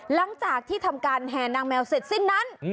หลังจากที่ทำการแห่นางแมวเสร็จสิ้นนั้น